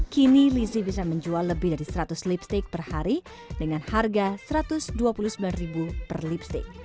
kini lizzie bisa menjual lebih dari seratus lipstick per hari dengan harga rp satu ratus dua puluh sembilan per lipstick